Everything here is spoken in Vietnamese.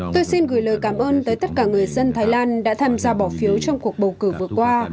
tôi xin gửi lời cảm ơn tới tất cả người dân thái lan đã tham gia bỏ phiếu trong cuộc bầu cử vừa qua